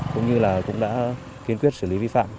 cũng như đã kiên quyết xử lý vi phạm